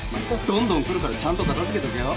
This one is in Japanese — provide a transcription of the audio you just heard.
どんどん来るからちゃんと片付けとけよ。